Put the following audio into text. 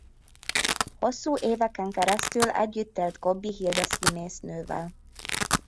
Hosszú éveken keresztül együtt élt Gobbi Hilda színésznővel.